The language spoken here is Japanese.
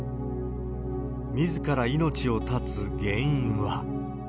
みずから命を絶つ原因は。